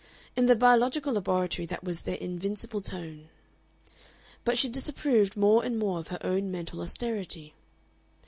In the biological laboratory that was their invincible tone. But she disapproved more and more of her own mental austerity.